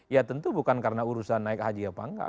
ya tentu bukan karena urusan naik haji apa enggak